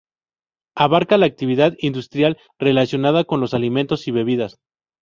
Abarca la actividad industrial relacionada con los alimentos y bebidas.